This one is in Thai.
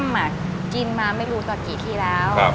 อ้ำอ่ะกินมาไม่รู้ต่อกี่ทีแล้ว